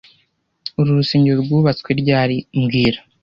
Uru rusengero rwubatswe ryari mbwira